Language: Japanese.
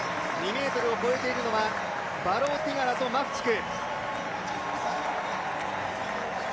２ｍを越えているのはバローティガラとマフチク。